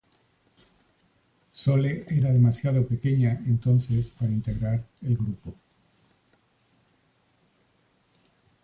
Sole era demasiado pequeña entonces para integrar el grupo.